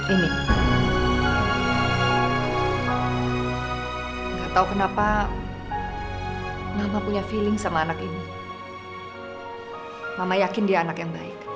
ini enggak tahu kenapa mama punya feeling sama anak ini mama yakin dia anak yang baik